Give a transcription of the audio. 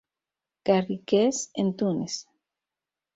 Garrigues en Túnez.